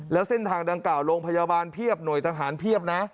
แล้วเส้นทางดังกล่าวโรงพยาบาลเพียบหน่วยทหารเพียบนะ